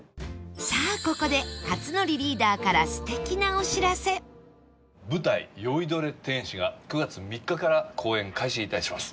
さあここで克典リーダーから舞台『醉いどれ天使』が９月３日から公演開始いたします。